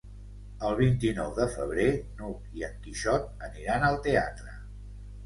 El vint-i-nou de febrer n'Hug i en Quixot aniran al teatre.